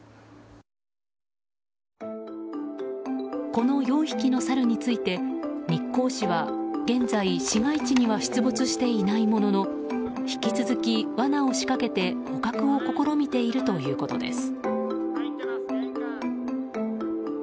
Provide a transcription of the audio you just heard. この４匹のサルについて日光市は現在、市街地には出没していないものの引き続き罠を仕掛けて捕獲を試みているということです。